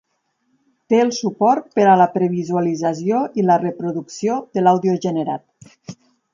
Té el suport per a la previsualització i la reproducció de l'àudio generat.